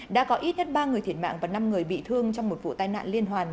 đã có ít nhất ba người thiệt mạng và năm người bị thương trong một vụ tai nạn liên hoàn